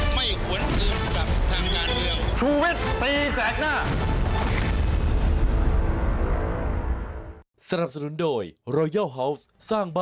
ไม่หวนอื่นกับทางด้านเรียง